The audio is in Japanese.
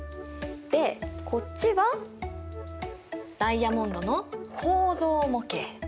でこっちはダイヤモンドの構造模型！